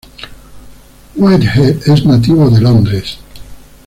Whitehead es nativo de Londres.